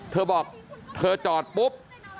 เธอบอกเธอจอดปุ๊บ